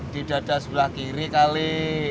di dada sebelah kiri kali